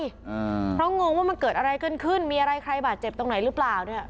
เพราะงงว่ามันเกิดอะไรขึ้นมีอะไรใครบ้าเจ็บตรงไหนหรือเปล่า